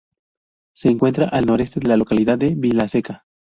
Se encuentra al noreste de la localidad de Vilaseca.